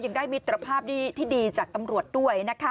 ยังได้มิตรภาพที่ดีจากตำรวจด้วยนะคะ